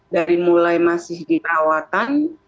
dari mulai masih di perawatan